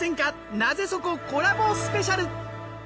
『ナゼそこ？』コラボスペシャル！